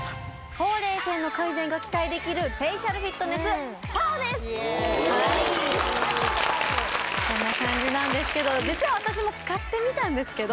ほうれい線の改善が期待できるフェイシャルフィットネスＰＡＯですイエーはいこんな感じなんですけど実は私も使ってみたんですけど・